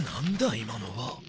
今のは。